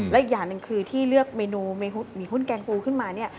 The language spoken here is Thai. และอีกอย่างหนึ่งคือที่เลือกเมนูหมี่หุ้นแกงปูขึ้นมาเนี่ย